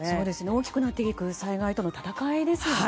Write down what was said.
大きくなっていく災害の戦いですよね。